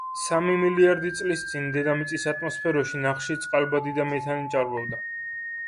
სამი მილიარდის წინ, დედამიწის ატმოსფეროში ნახშირწყალბადი და მეთანი ჭარბობდა.